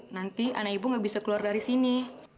nanti anak ibu nggak bisa keluar dari sini